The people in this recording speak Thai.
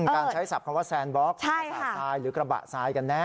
การใช้ศัพท์คำว่าแซนบล็อกประสาททรายหรือกระบะทรายกันแน่